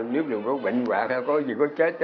nếu đường có bệnh hoạn hay có gì có chết